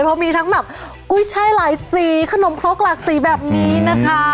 เพราะมีทั้งแบบกุ้ยช่ายหลายสีขนมครกหลากสีแบบนี้นะคะ